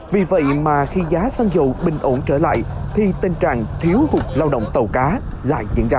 vì vậy mà khi giá xăng dầu bình ổn trở lại thì tình trạng thiếu hụt lao động tàu cá lại diễn ra